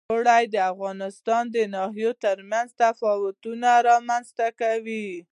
اوړي د افغانستان د ناحیو ترمنځ تفاوتونه رامنځ ته کوي.